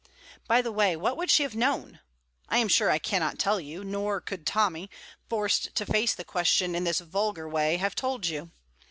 By the way, what would she have known? I am sure I cannot tell you. Nor could Tommy, forced to face the question in this vulgar way, have told you.